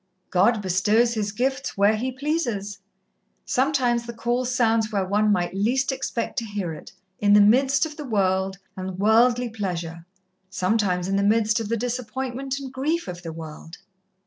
"God bestows His gifts where He pleases! Sometimes the call sounds where one might least expect to hear it in the midst of the world, and worldly pleasure, sometimes in the midst of the disappointment and grief of the world."